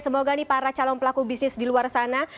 semoga nih para calon pelaku bisnis di luar sana